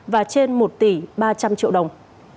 và trên một tỷ ba trăm linh triệu đồng